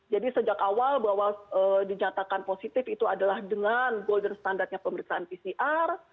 jadi sejak awal bahwa dinyatakan positif itu adalah dengan standar pemerintahan pcr